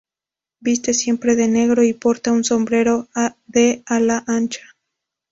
Viste siempre de negro y porta un sombrero de ala ancha.